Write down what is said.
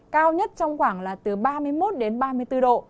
cao nhất trong khoảng là từ ba mươi một đến ba mươi bốn độ